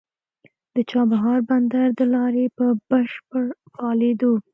د چابهار بندر د لارې په بشپړ فعالېدو